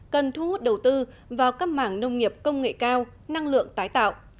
cần thu hút đầu tư vào các mảng nông nghiệp công nghệ cao năng lượng tái tạo